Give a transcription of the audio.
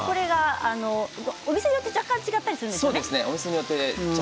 お店によって若干違ったりするんですね。